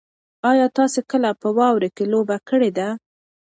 ایا تاسي کله په واوره کې لوبه کړې ده؟